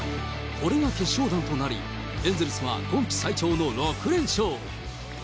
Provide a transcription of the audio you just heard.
これが決勝弾となり、エンゼルスは今季最長の６連勝。